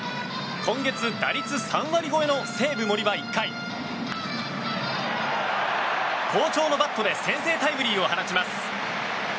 今月、打率３割超えの西武、森は１回好調のバットで先制タイムリーを放ちます。